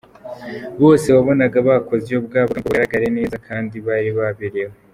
Bose wabonaga bakoze iyo bwabaga ngo bagaragare neza; kandi bari baberewe.